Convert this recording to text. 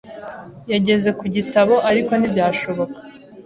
yageze ku gitabo, ariko ntibyashoboka.